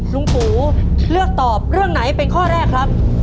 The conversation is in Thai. ลุงปูเลือกตอบเรื่องไหนเป็นข้อแรกครับ